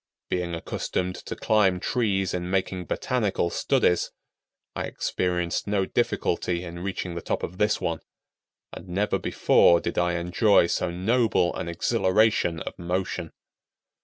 Being accustomed to climb trees in making botanical studies, I experienced no difficulty in reaching the top of this one, and never before did I enjoy so noble an exhilaration of motion.